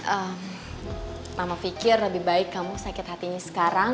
ehm mama pikir lebih baik kamu sakit hatinya sekarang